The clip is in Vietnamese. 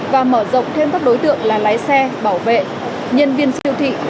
và mở rộng thêm các đối tượng là lái xe bảo vệ nhân viên siêu thị